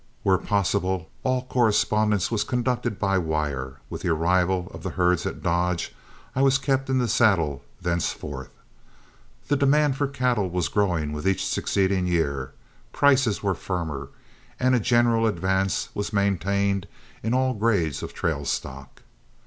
Where possible, all correspondence was conducted by wire, and with the arrival of the herds at Dodge I was kept in the saddle thenceforth. The demand for cattle was growing with each succeeding year, prices were firmer, and a general advance was maintained in all grades of trail stock.